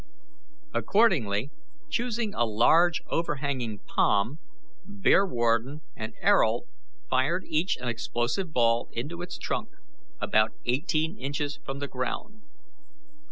Accordingly, choosing a large overhanging palm, Bearwarden and Ayrault fired each an explosive ball into its trunk, about eighteen inches from the ground.